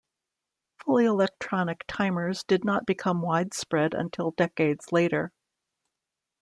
Fully electronic timers did not become widespread until decades later.